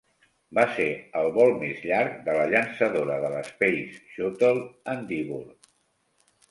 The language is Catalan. Va ser el vol més llarg de la llançadora de l'Space shuttle Endeavour.